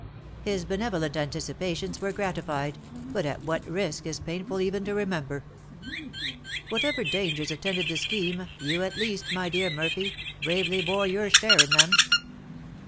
His benevolent anticipations were gratified, but at what risk it is painful even to remember." "Whatever dangers attended the scheme, you, at least, my dear Murphy, bravely bore your share in them."